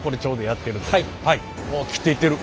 切っていってる。